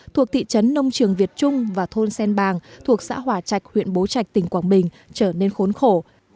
thuộc thị trấn nông trường việt trung và thôn sen bàng thuộc xã hòa trạch huyện bố trạch tỉnh quảng bình trở nên khốn khổ